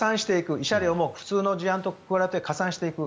慰謝料も普通の事案と比べて加算していく。